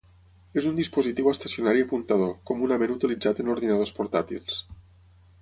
És un dispositiu estacionari apuntador, comunament utilitzat en ordinadors portàtils.